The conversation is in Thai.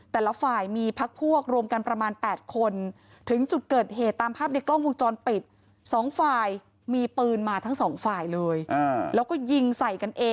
แต่ละฝ่ายมีพักพวกรวมกันประมาณแปดคนถึงจุดเกิดเหตุตามภาพในกล้องมุมจรปิด